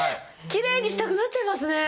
きれいにしたくなっちゃいますね。